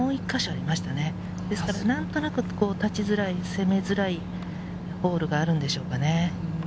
安定し何となく立ちづらい、攻めづらいホールがあるんでしょうかね？